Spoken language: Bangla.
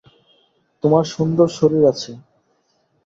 তোমার সুন্দর শরীর আছে।